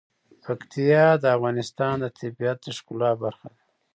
پکتیا د افغانستان د طبیعت د ښکلا برخه ده.